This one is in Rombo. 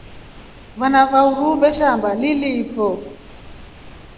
Vana uruu veshamba lilifo.